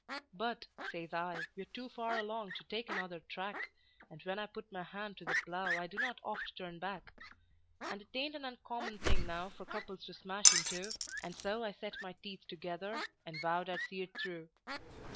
"But," says I, "we're too far along to take another track, And when I put my hand to the plow I do not oft turn back; And 'tain't an uncommon thing now for couples to smash in two;" And so I set my teeth together, and vowed I'd see it through.